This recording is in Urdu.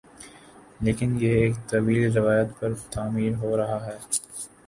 لیکن یہ ایک طویل روایت پر تعمیر ہو رہا ہے